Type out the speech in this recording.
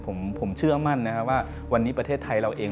ผมเชื่อมั่นนะครับว่าวันนี้ประเทศไทยเราเอง